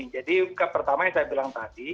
jadi pertama yang saya bilang tadi